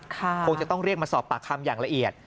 คงจะต้องเรียกมาสอบปากคำอย่างละเอียด